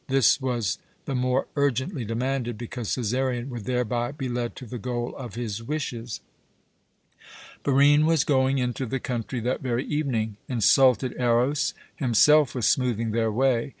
This was the more urgently demanded, because Cæsarion would thereby be led to the goal of his wishes. Barine was going into the country that very evening. Insulted Eros himself was smoothing their way.